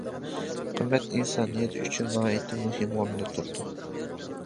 قىممەت ئىنسانىيەت ئۈچۈن ناھايىتى مۇھىم ئورۇندا تۇرىدۇ.